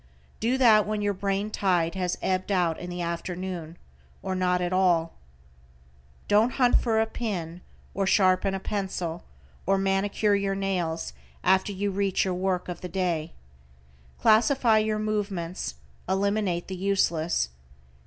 Do that when your brain tide has ebbed out in the afternoon, or not at all. Don't hunt for a pin, or sharpen a pencil, or manicure your nails after you reach your work of the day. Classify your movements, eliminate the useless.